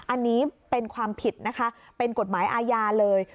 อันนี้เป็นความผิดนะคะเป็นกฎหมายอาญาเลย